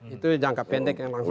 itu jangka pendek yang langsung